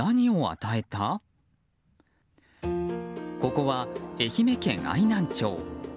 ここは愛媛県愛南町。